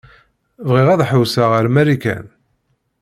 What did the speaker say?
Bɣiɣ ad ḥewwseɣ ar Marikan.